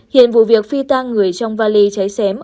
hiện vụ việc phi tang người trong vali cháy xém